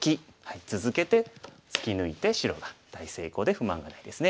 続けて突き抜いて白が大成功で不満がないですね。